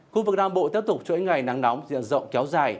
khu vực nam bộ tiếp tục chuỗi ngày nắng nóng diện rộng kéo dài